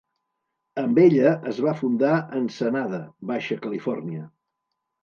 Amb ella es va fundar Ensenada, Baixa Califòrnia.